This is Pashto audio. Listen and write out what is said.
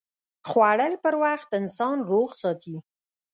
خوړل پر وخت انسان روغ ساتي